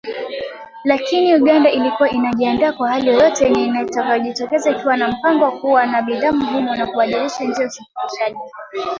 Lakini Uganda ilikuwa inajiandaa kwa hali yoyote yenye itakayojitokeza ikiwa na mpango wa kuwa na bidhaa muhimu na kubadilisha njia ya usafarishaji